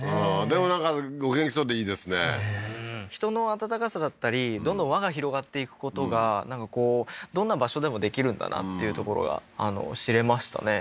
でもなんかお元気そうでいいですね人の温かさだったりどんどん輪が広がっていくことがどんな場所でもできるんだなっていうところが知れましたね